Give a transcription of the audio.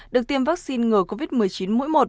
được tiêm vaccine ngừa covid một mươi chín mũi một